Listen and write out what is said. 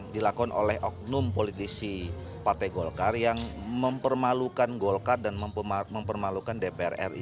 dilakukan oleh oknum politisi partai golkar yang mempermalukan golkar dan mempermalukan dpr ri